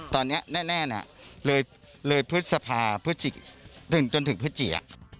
ตอนนี้แน่เลยพฤษภาจนถึงพฤศจียะ